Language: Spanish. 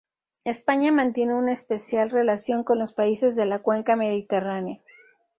España mantiene una especial relación con los países de la cuenca mediterránea.